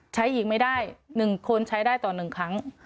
ใช้อีกไม่ได้หนึ่งคนใช้ได้ต่อหนึ่งครั้ง